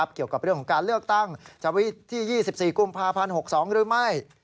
เกี่ยวกับเรื่องของการเลือกตั้งจะวิดที่๒๔กุมภาพันธ์๖๒หรือไม่